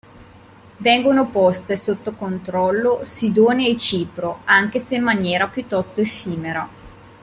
Vengono poste sotto controllo Sidone e Cipro, anche se in maniera piuttosto effimera.